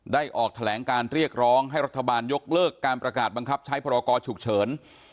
ออกแถลงการเรียกร้องให้รัฐบาลยกเลิกการประกาศบังคับใช้พรกรฉุกเฉิน